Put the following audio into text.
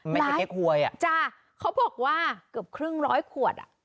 ไม่ใช่เค้กหวยอ่ะจ้ะเขาบอกว่าเกือบครึ่งร้อยขวดอ่ะ